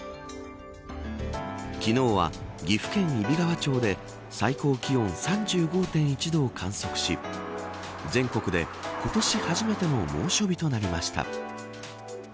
昨日は岐阜県揖斐川町で最高気温３５．１度を観測し全国で、今年初めての猛暑日となりました。